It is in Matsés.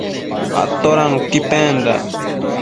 Atoda nuqui pendac?